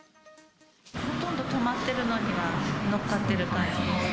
ほとんど止まっているのには乗っかってる感じでした。